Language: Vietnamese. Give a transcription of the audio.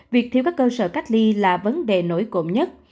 việc thiếu các cơ sở cách ly là vấn đề nổi cộng nhất